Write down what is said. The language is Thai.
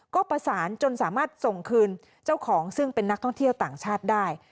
ก็ประสานจนสามารถส่งคืนเจ้าของซึ่งเป็นนักท่องเที่ยวต่างชาติได้